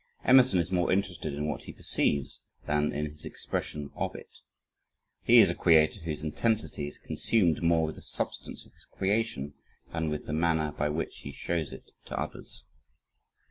Emerson is more interested in what he perceives than in his expression of it. He is a creator whose intensity is consumed more with the substance of his creation than with the manner by which he shows it to others.